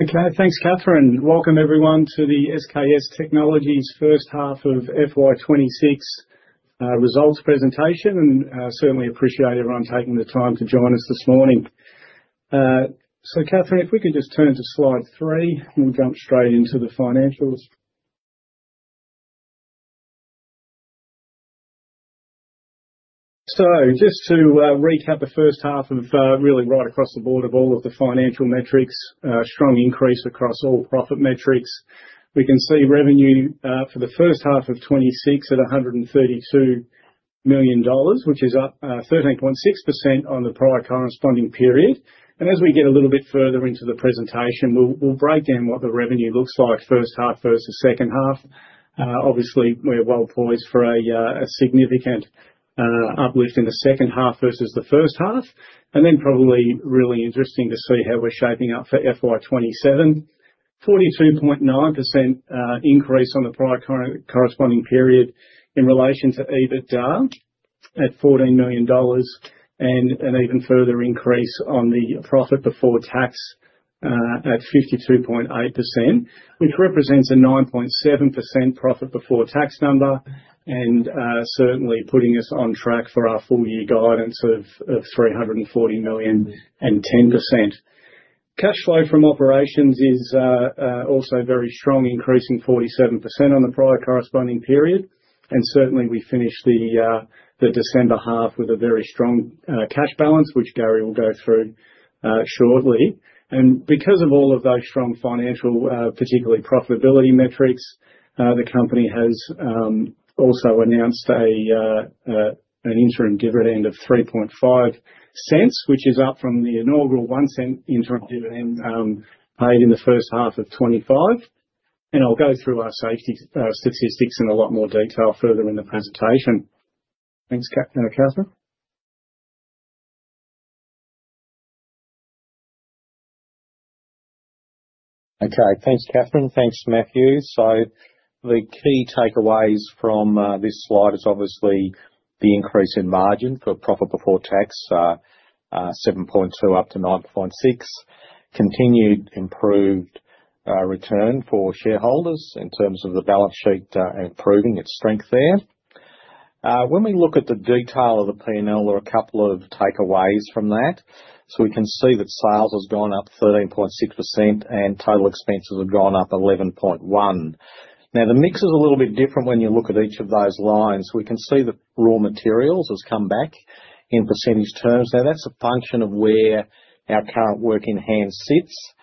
Okay, thanks, Catherine. Welcome everyone to the SKS Technologies first half of FY 26 results presentation. Certainly appreciate everyone taking the time to join us this morning. Catherine, if we could just turn to slide three and jump straight into the financials. Just to recap the first half of really right across the board of all of the financial metrics, a strong increase across all profit metrics. We can see revenue for the first half of 2026 at 132 million dollars, which is up 13.6% on the prior corresponding period. As we get a little bit further into the presentation, we'll, we'll break down what the revenue looks like first half versus second half. Obviously, we're well poised for a significant uplift in the second half versus the first half, and then probably really interesting to see how we're shaping up for FY 27. 42.9% increase on the prior corresponding period in relation to EBITDA at 14 million dollars and an even further increase on the profit before tax at 52.8%, which represents a 9.7% profit before tax number and certainly putting us on track for our full year guidance of 340 million and 10%. Cash flow from operations is also very strong, increasing 47% on the prior corresponding period, and certainly we finished the December half with a very strong cash balance, which Gary will go through shortly. Because of all of those strong financial, particularly profitability metrics, the company has also announced an interim dividend of 0.035, which is up from the inaugural 0.01 interim dividend paid in the first half of FY 25. I'll go through our safety statistics in a lot more detail further in the presentation. Thanks, Catherine. Okay. Thanks, Catherine. Thanks, Matthew. The key takeaways from this slide is obviously the increase in margin for profit before tax, 7.2 up to 9.6. Continued improved return for shareholders in terms of the balance sheet, improving its strength there. When we look at the detail of the PNL, there are a couple of takeaways from that. We can see that sales has gone up 13.6% and total expenses have gone up 11.1. Now, the mix is a little bit different when you look at each of those lines. We can see that raw materials has come back in percentage terms. Now, that's a function of where our current work in hand sits.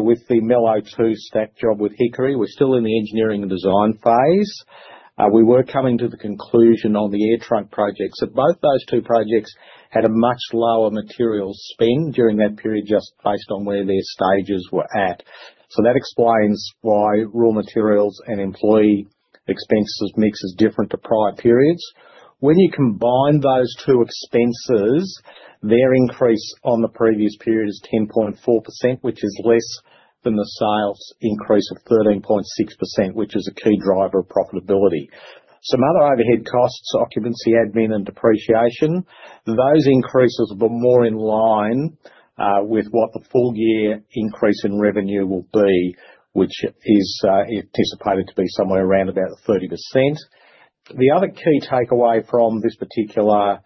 With the MEL02 STACK job with Hickory, we're still in the engineering and design phase. We were coming to the conclusion on the AirTrunk projects. Both those two projects had a much lower material spend during that period, just based on where their stages were at. That explains why raw materials and employee expenses mix is different to prior periods. When you combine those two expenses, their increase on the previous period is 10.4%, which is less than the sales increase of 13.6%, which is a key driver of profitability. Some other overhead costs, occupancy, admin, and depreciation, those increases were more in line with what the full year increase in revenue will be, which is anticipated to be somewhere around about 30%. The other key takeaway from this particular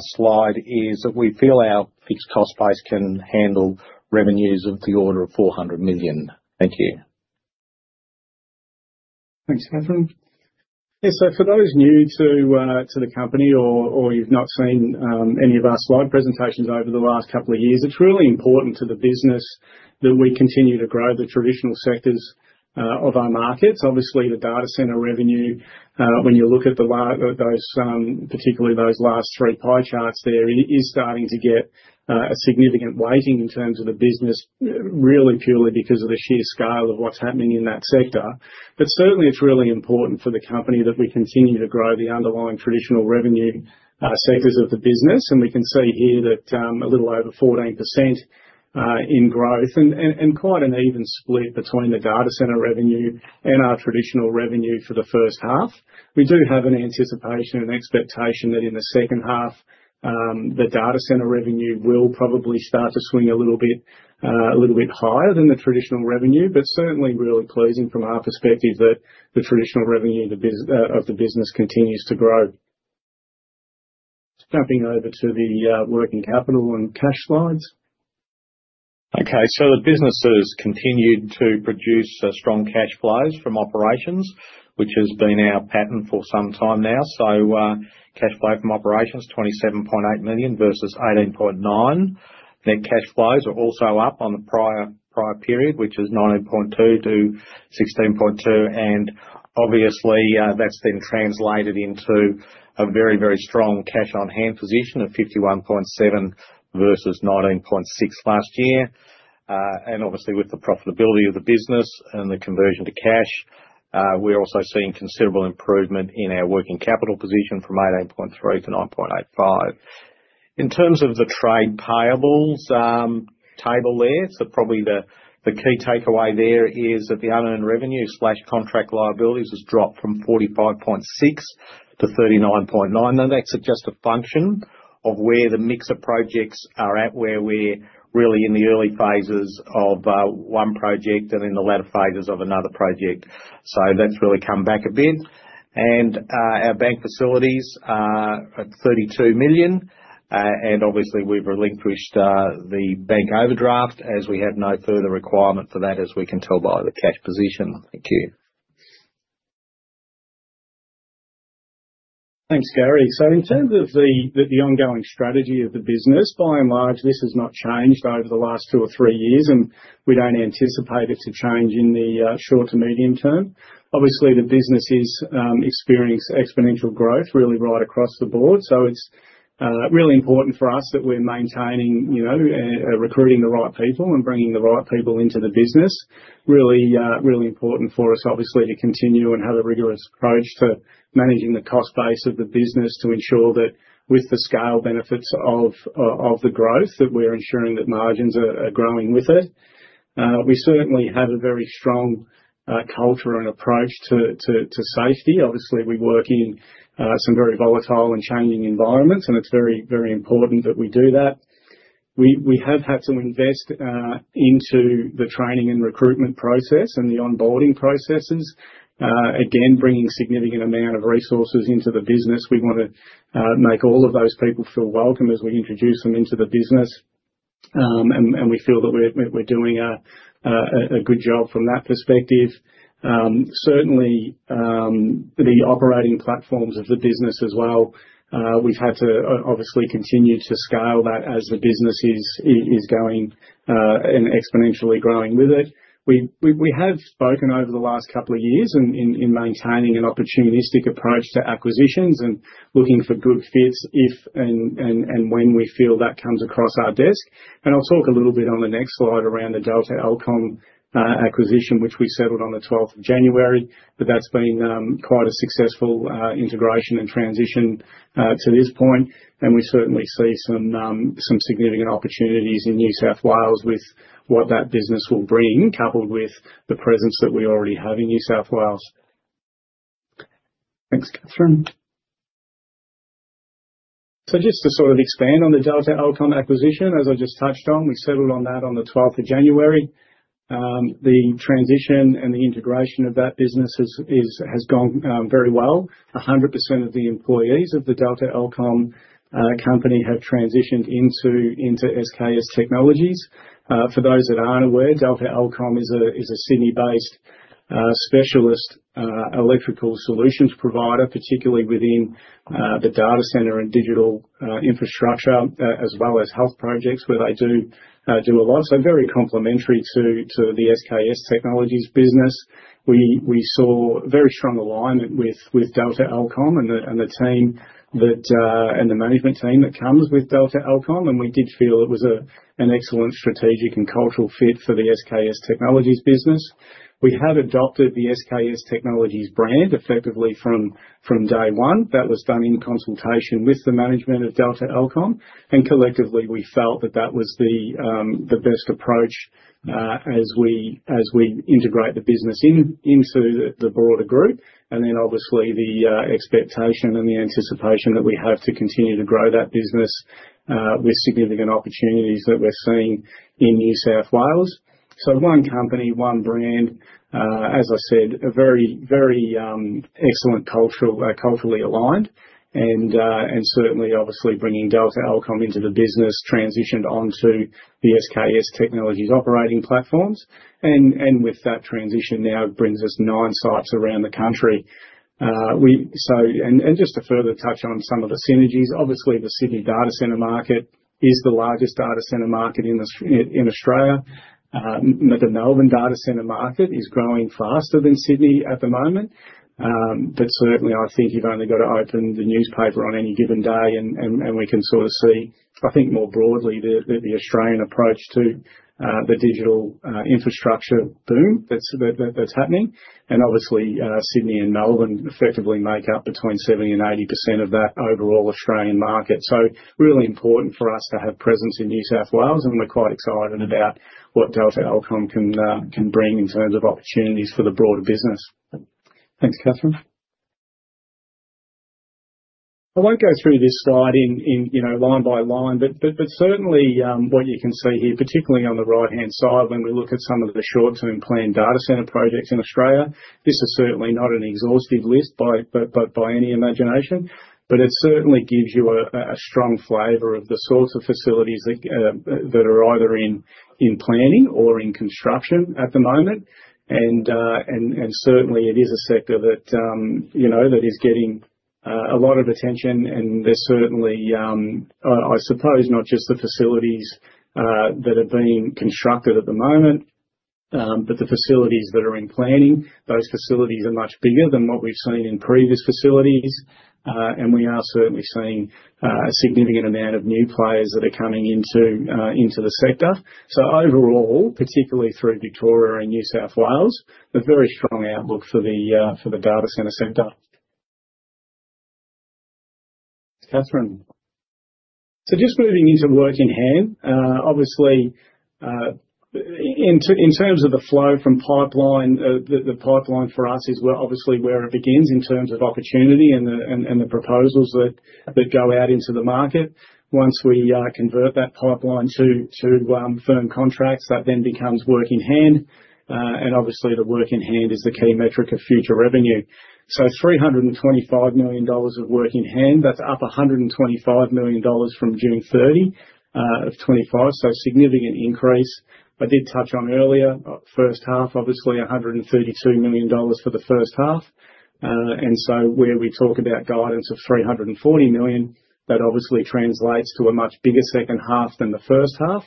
slide is that we feel our fixed cost base can handle revenues of the order of 400 million. Thank you. Thanks, Catherine. Yeah, for those new to the company or, or you've not seen any of our slide presentations over the last couple of years, it's really important to the business that we continue to grow the traditional sectors of our markets. Obviously, the data center revenue, when you look at those, particularly those last three pie charts there, it is starting to get a significant weighting in terms of the business, really purely because of the sheer scale of what's happening in that sector. Certainly, it's really important for the company that we continue to grow the underlying traditional revenue sectors of the business. We can see here that a little over 14% in growth and, and, and quite an even split between the data center revenue and our traditional revenue for the first half. We do have an anticipation and expectation that in the second half, the data center revenue will probably start to swing a little bit a little bit higher than the traditional revenue, but certainly really pleasing from our perspective that the traditional revenue, the business continues to grow. Jumping over to the working capital and cash slides. Okay, the business has continued to produce strong cash flows from operations, which has been our pattern for some time now. Cash flow from operations, $27.8 million versus $18.9 million. Cash flows are also up on the prior, prior period, which is $19.2 million to 16.2 million, that's then translated into a very, very strong cash on hand position of $51.7 million versus $19.6 million last year. With the profitability of the business and the conversion to cash, we're also seeing considerable improvement in our working capital position from $18.3 million to 9.85 million. In terms of the trade payables, table there, probably the, the key takeaway there is that the unearned revenue slash contract liabilities has dropped from 45.6 to 39.9, that's just a function of. of where the mix of projects are at, where we're really in the early phases of one project and in the latter phases of another project. That's really come back a bit. Our bank facilities are at 32 million. And obviously we've relinquished the bank overdraft as we have no further requirement for that, as we can tell by the cash position. Thank you. Thanks, Gary. In terms of the, the, the ongoing strategy of the business, by and large, this has not changed over the last two or three years, and we don't anticipate it to change in the short to medium term. Obviously, the business is experience exponential growth really right across the board. It's really important for us that we're maintaining, you know, recruiting the right people and bringing the right people into the business. Really, really important for us, obviously, to continue and have a rigorous approach to managing the cost base of the business, to ensure that with the scale benefits of, of, of the growth, that we're ensuring that margins are, are growing with it. We certainly have a very strong culture and approach to, to, to safety. Obviously, we work in some very volatile and changing environments, and it's very, very important that we do that. We, we have had to invest into the training and recruitment process and the onboarding processes. Again, bringing significant amount of resources into the business. We want to make all of those people feel welcome as we introduce them into the business. And we feel that we're, we're, we're doing a good job from that perspective. Certainly, the operating platforms of the business as well, we've had to obviously continue to scale that as the business is, is, is going and exponentially growing with it. We, we, we have spoken over the last couple of years in, in, in maintaining an opportunistic approach to acquisitions and looking for good fits, if and, and, and when we feel that comes across our desk. I'll talk a little bit on the next slide around the Delta-Elcom acquisition, which we settled on the 12th of January. That's been quite a successful integration and transition to this point, and we certainly see some significant opportunities in New South Wales with what that business will bring, coupled with the presence that we already have in New South Wales. Thanks, Catherine. Just to sort of expand on the Delta-Elcom acquisition, as I just touched on, we settled on that on the 12th of January. The transition and the integration of that business has gone very well. 100% of the employees of the Delta-Elcom company have transitioned into SKS Technologies. For those that aren't aware, Delta-Elcom is a Sydney-based specialist electrical solutions provider, particularly within the data center and digital infrastructure, as well as health projects, where they do do a lot. Very complementary to, to the SKS Technologies business. We, we saw very strong alignment with, with Delta-Elcom and the, and the team that, and the management team that comes with Delta-Elcom, and we did feel it was a, an excellent strategic and cultural fit for the SKS Technologies business. We have adopted the SKS Technologies brand effectively from, from day one. That was done in consultation with the management of Delta-Elcom, and collectively, we felt that that was the, the best approach, as we, as we integrate the business in, into the, the broader group. Obviously, the expectation and the anticipation that we have to continue to grow that business, with significant opportunities that we're seeing in New South Wales. One company, one brand, as I said, a very, very excellent cultural, culturally aligned and certainly obviously bringing Delta-Elcom into the business, transitioned onto the SKS Technologies operating platforms. With that transition now brings us 9 sites around the country. Just to further touch on some of the synergies, obviously the Sydney data center market is the largest data center market in Australia. The Melbourne data center market is growing faster than Sydney at the moment. Certainly I think you've only got to open the newspaper on any given day, and we can sort of see, I think, more broadly, the Australian approach to the digital infrastructure boom that's happening. Obviously, Sydney and Melbourne effectively make up between 70 to 80% of that overall Australian market. Really important for us to have presence in New South Wales, and we're quite excited about what Delta-Elcom can bring in terms of opportunities for the broader business. Thanks, Catherine. I won't go through this slide in, you know, line by line, but certainly, what you can see here, particularly on the right-hand side, when we look at some of the short-term planned data center projects in Australia, this is certainly not an exhaustive list by any imagination, but it certainly gives you a strong flavor of the sorts of facilities that are either in planning or in construction at the moment. Certainly it is a sector that, you know, that is getting a lot of attention. There's certainly, I suppose not just the facilities that are being constructed at the moment, but the facilities that are in planning. Those facilities are much bigger than what we've seen in previous facilities, and we are certainly seeing a significant amount of new players that are coming into the sector. Overall, particularly through Victoria and New South Wales, a very strong outlook for the data center sector. Catherine. Just moving into work in hand, obviously, in terms of the flow from pipeline, the pipeline for us is where, obviously where it begins in terms of opportunity and the, and, and the proposals that, that go out into the market. Once we convert that pipeline to, to firm contracts, that then becomes work in hand. Obviously the work in hand is the key metric of future revenue. 325 million dollars of work in hand, that's up 125 million dollars from June 30, 2025. A significant increase. I did touch on earlier, first half, obviously 132 million dollars for the first half. Where we talk about guidance of 340 million, that obviously translates to a much bigger second half than the first half,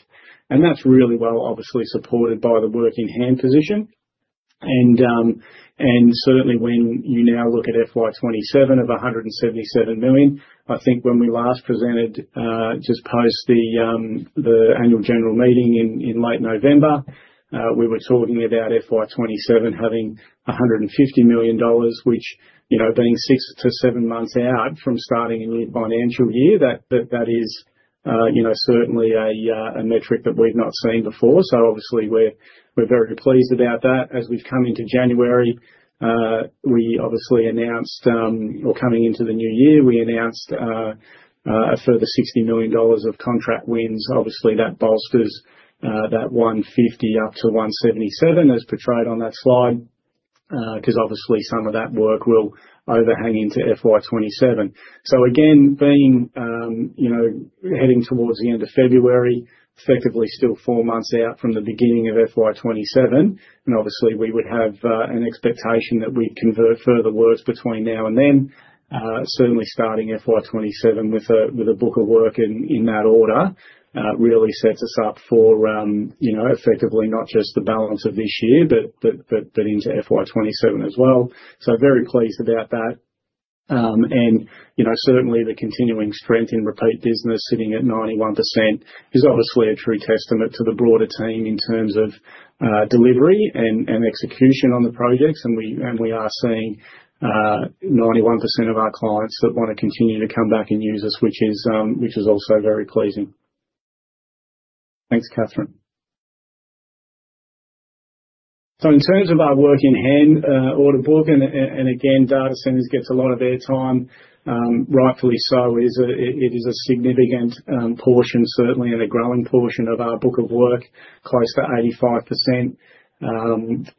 and that's really well obviously supported by the work in hand position. FY 27 of $177 million, I think when we last presented, just post the annual general meeting in late November, we were talking about FY 27 having $150 million, which, you know, being 6-7 months out from starting a new financial year, that, that, that is, you know, certainly a metric that we've not seen before. Obviously, we're very pleased about that. We've come into January, we obviously announced, or coming into the new year, we announced a further $60 million of contract wins. Obviously, that bolsters that $150 up to $177, as portrayed on that slide, because obviously some of that work will overhang into FY 27 Again, being, you know, heading towards the end of February, effectively still four months out from the beginning of FY 27, and obviously we would have an expectation that we'd convert further works between now and then. Certainly starting FY 27 with a, with a book of work in, in that order, really sets us up for, you know, effectively, not just the balance of this year, but, but, but, but into FY 27 as well. Very pleased about that. And, you know, certainly the continuing strength in repeat business, sitting at 91% is obviously a true testament to the broader team in terms of delivery and execution on the projects. We, and we are seeing 91% of our clients that wanna continue to come back and use us, which is also very pleasing. Thanks, Catherine. In terms of our work in hand, order book and, and, and again, data centers gets a lot of airtime, rightfully so. It is a, it, it is a significant portion, certainly, and a growing portion of our book of work, close to 85%.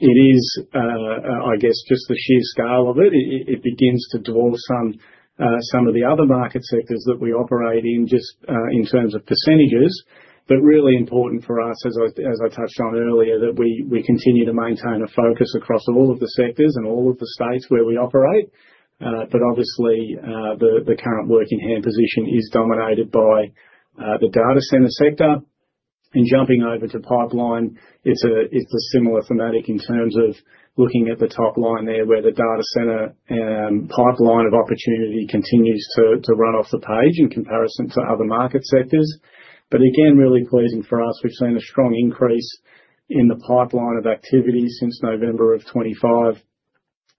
It is, I guess, just the sheer scale of it, it, it begins to dwarf some of the other market sectors that we operate in, just in terms of percentages. Really important for us, as I, as I touched on earlier, that we, we continue to maintain a focus across all of the sectors and all of the states where we operate. Obviously, the, the current work in hand position is dominated by, the data center sector. Jumping over to pipeline, it's a, it's a similar thematic in terms of looking at the top line there, where the data center, pipeline of opportunity continues to, to run off the page in comparison to other market sectors. Again, really pleasing for us. We've seen a strong increase in the pipeline of activities since November of 2025.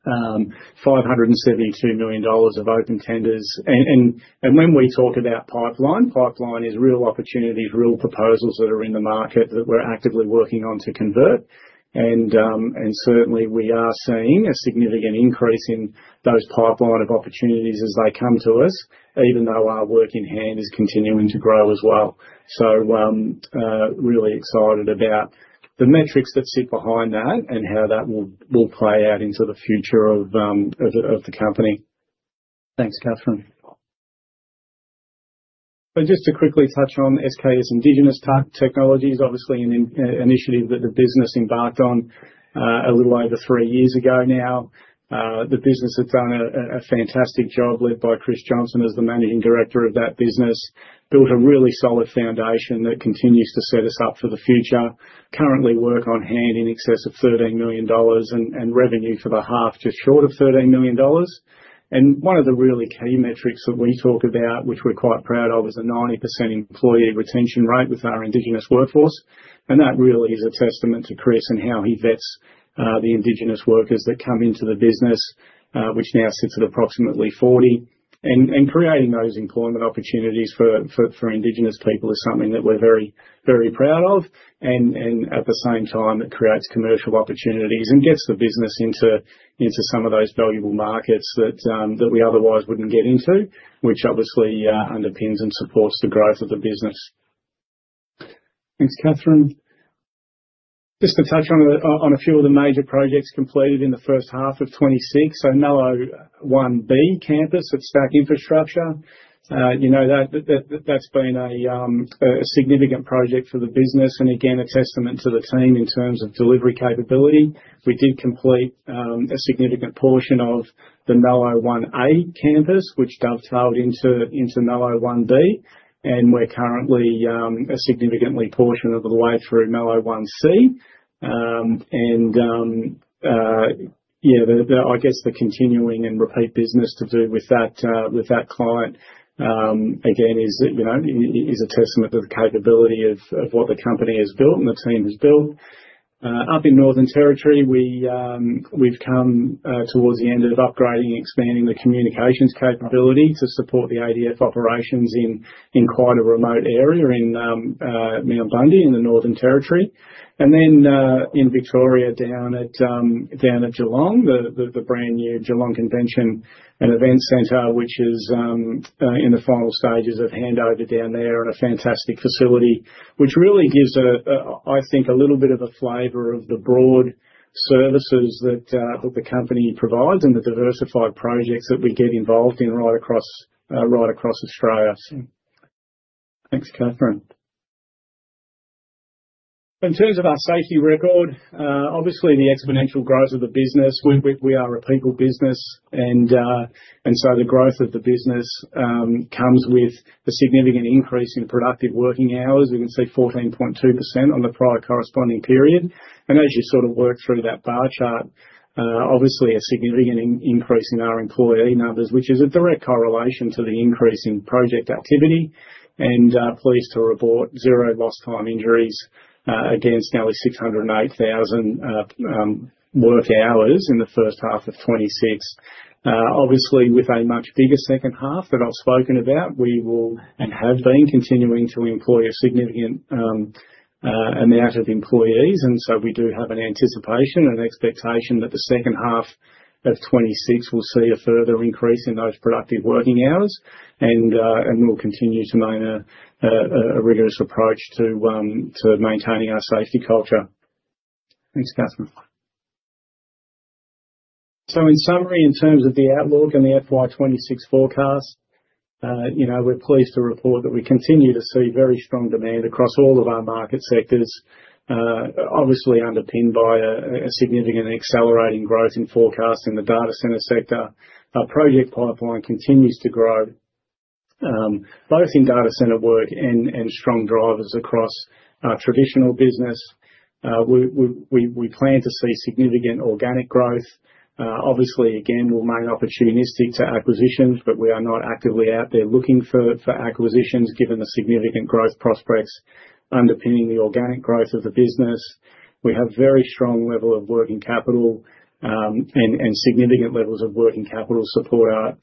$572 million of open tenders. When we talk about pipeline, pipeline is real opportunities, real proposals that are in the market that we're actively working on to convert. Certainly we are seeing a significant increase in those pipeline of opportunities as they come to us, even though our work in hand is continuing to grow as well. Really excited about the metrics that sit behind that and how that will, will play out into the future of the, of the company. Thanks, Catherine. Just to quickly touch on SKS Indigenous Technologies, obviously an initiative that the business embarked on a little over 3 years ago now. The business has done a fantastic job, led by Chris Johnson as the managing director of that business. Built a really solid foundation that continues to set us up for the future. Currently, work on hand in excess of $13 million, and revenue for the half, just short of $13 million. One of the really key metrics that we talk about, which we're quite proud of, is a 90% employee retention rate with our indigenous workforce. That really is a testament to Chris and how he vets the indigenous workers that come into the business, which now sits at approximately 40. Creating those employment opportunities for indigenous people is something that we're very, very proud of. At the same time, it creates commercial opportunities and gets the business into some of those valuable markets that we otherwise wouldn't get into, which obviously underpins and supports the growth of the business. Thanks, Catherine. Just to touch on a few of the major projects completed in the first half of 2026. MEL01-B campus at STACK Infrastructure, you know, that's been a significant project for the business and again, a testament to the team in terms of delivery capability. We did complete a significant portion of the MEL01A campus, which dovetailed into, into MEL01B, and we're currently a significantly portion of the way through MEL01C. The, the, I guess, the continuing and repeat business to do with that, with that client, again, is, you know, is a testament to the capability of, of what the company has built and the team has built. Up in Northern Territory, we've come towards the end of upgrading and expanding the communications capability to support the ADF operations in, in quite a remote area in Mount Bundy, in the Northern Territory. Then, in Victoria, down at, down at Geelong, the, the, the brand new Geelong Convention and Events Center, which is in the final stages of handover down there, and a fantastic facility, which really gives a, a, I think, a little bit of a flavor of the broad services that that the company provides and the diversified projects that we get involved in right across, right across Australia. Thanks, Catherine. In terms of our safety record, obviously the exponential growth of the business, we, we, we are a people business and so the growth of the business comes with the significant increase in productive working hours. You can see 14.2% on the prior corresponding period. As you sort of work through that bar chart, obviously a significant increase in our employee numbers, which is a direct correlation to the increase in project activity. Pleased to report zero lost time injuries against nearly 608,000 work hours in the first half of 2026. Obviously, with a much bigger second half that I've spoken about, we will and have been continuing to employ a significant amount of employees, and so we do have an anticipation and expectation that the second half of 2026 will see a further increase in those productive working hours. We'll continue to maintain a, a, a rigorous approach to maintaining our safety culture. Thanks, Catherine. In summary, in terms of the outlook and the FY 26 forecast, you know, we're pleased to report that we continue to see very strong demand across all of our market sectors, obviously underpinned by a significant accelerating growth in forecast in the data center sector. Our project pipeline continues to grow, both in data center work and strong drivers across our traditional business. We plan to see significant organic growth. Obviously, again, we'll maintain opportunistic acquisitions, but we are not actively out there looking for acquisitions, given the significant growth prospects underpinning the organic growth of the business. We have very strong level of working capital, and significant levels of working capital support our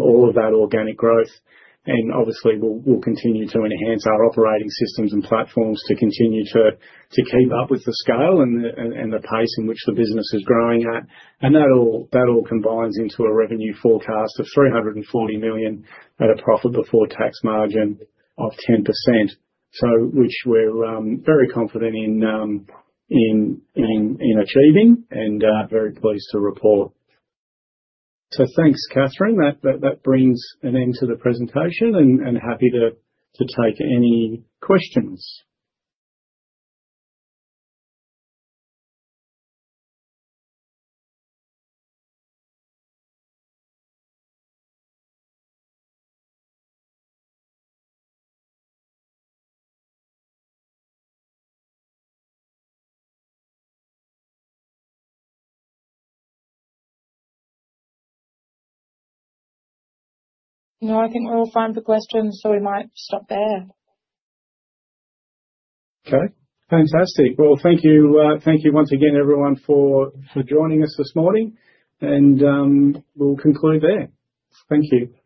all of that organic growth. Obviously we'll, we'll continue to enhance our operating systems and platforms to continue to, to keep up with the scale and the, and, and the pace in which the business is growing at. That all, that all combines into a revenue forecast of $340 million at a profit before tax margin of 10%. Which we're very confident in achieving and very pleased to report. Thanks, Catherine. That, that, that brings an end to the presentation and, and happy to, to take any questions. No, I think we're all fine for questions, so we might stop there. Okay, fantastic. Well, thank you, thank you once again, everyone, for, for joining us this morning, and, we'll conclude there. Thank you. Thank you.